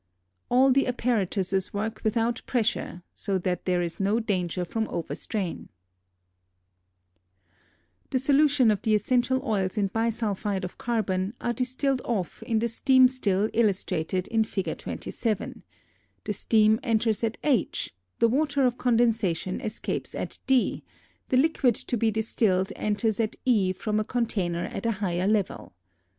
All the apparatuses work without pressure so that there is no danger from overstrain. [Illustration: FIG. 27.] [Illustration: FIG. 28.] The solutions of the essential oils in bisulphide of carbon are distilled off in the steam still illustrated in Fig. 27; the steam enters at h, the water of condensation escapes at d, the liquid to be distilled enters at e from a container at a higher level.